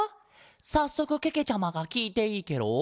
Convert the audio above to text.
さっそくけけちゃまがきいていいケロ？